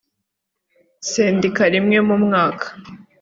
sendika rimwe mu mwaka